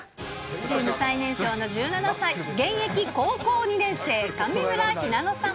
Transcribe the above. チーム最年少の１７歳、現役高校２年生、上村ひなのさん。